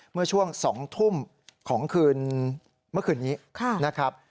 เมื่อช่วง๒ทุ่มของคืนเมื่อคืนนี้นะครับ